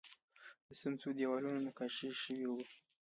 د سمڅو دیوالونه نقاشي شوي وو